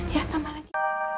ya tambah lagi